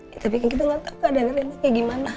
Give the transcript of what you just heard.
kita bikin gitu gak tau keadaan reina kayak gimana